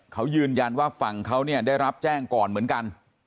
เขายืนยันว่าฝั่งเขาเนี่ยได้รับแจ้งก่อนเหมือนกัน